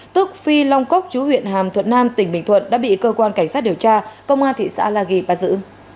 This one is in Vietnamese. tức phi long cốc chú huyện hàm thuận nam tỉnh bình thuận đã bị cơ quan cảnh sát điều tra công an thị xã la ghi bắt giữ